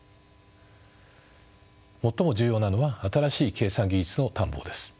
最も重要なのは新しい計算技術の探訪です。